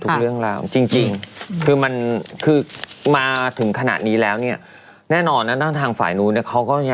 ของอย่างนี้เนี่ยเนี่ย